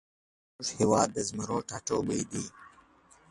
زمونږ هیواد د زمرو ټاټوبی دی